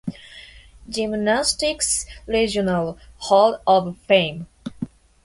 Gymnastics Regional Hall of Fame.